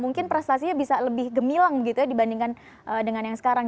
mungkin prestasinya bisa lebih gemilang begitu ya dibandingkan dengan yang sekarang